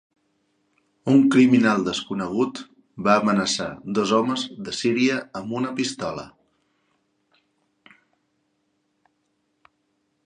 Un criminal desconegut va amenaçar dos homes de Síria amb una pistola.